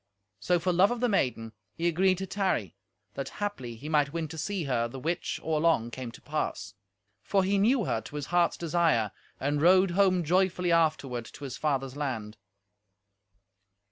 So, for love of the maiden, he agreed to tarry, that haply he might win to see her, the which, or long, came to pass; for he knew her to his heart's desire, and rode home joyfully afterward to his father's land.